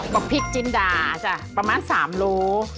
บันผลิกจินดาประมาณ๓ลูก